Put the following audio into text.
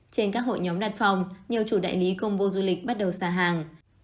trên các hội nhóm đặt phòng nhiều chủ đại lý combo du lịch bắt đầu xà hàng